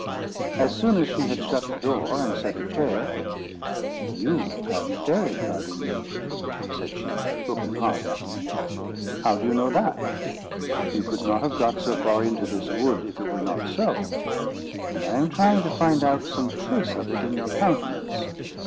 As soon as she had shut the door and set a chair— "You have fairy blood in you," said she, looking hard at me. "How do you know that?" "You could not have got so far into this wood if it were not so; and I am trying to find out some trace of it in your countenance.